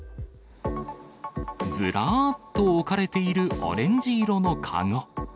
ずらっと置かれているオレンジ色の籠。